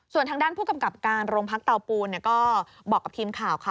ส่วนทางด้านผู้กำกับการโรงพักเตาปูนก็บอกกับทีมข่าวค่ะ